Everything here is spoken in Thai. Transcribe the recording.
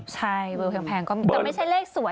ใช่เบอร์แพงก็มี